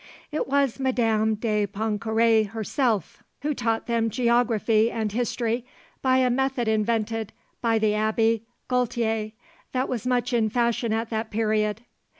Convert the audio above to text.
It was Madame de Pontcarré herself who taught them geography and history by a method invented by the Abbé Gaultier that was much in fashion at that period.